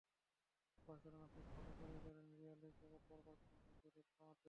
Barcelona খুব ভালো করেই জানে, রিয়ালই কেবল পারে বার্সেলোনার জয়রথ থামাতে।